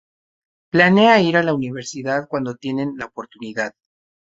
Planea ir a la universidad cuando tiene la oportunidad.